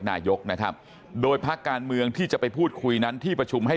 นายกนะครับโดยภาคการเมืองที่จะไปพูดคุยนั้นที่ประชุมให้